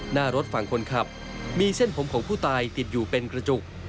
หน้ารถฝั่งคนขับมีเส้นผมของผู้ตายติดอยู่เป็นกระจุก